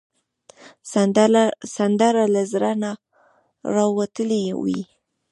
سندره له زړه نه راوتلې وي